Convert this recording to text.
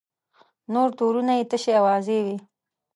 نور تورونه یې تشې اوازې وې.